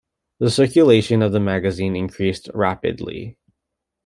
The circulation of the magazine increased rapidly.